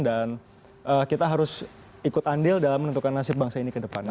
dan kita harus ikut andil dalam menentukan nasib bangsa ini ke depannya